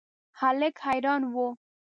هلک حیران و.